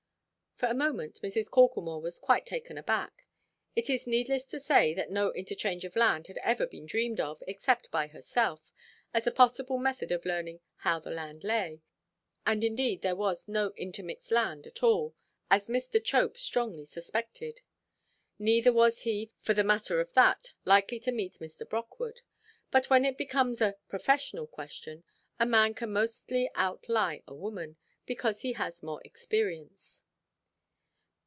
For a moment Mrs. Corklemore was taken quite aback. It is needless to say that no interchange of land had ever been dreamed of, except by herself, as a possible method of learning "how the land lay;" and indeed there was no intermixed land at all, as Mr. Chope strongly suspected. Neither was he, for the matter of that, likely to meet Mr. Brockwood; but when it becomes a professional question, a man can mostly out–lie a woman, because he has more experience.